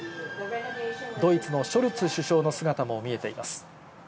ドイツのショルツ首相の姿も見えています。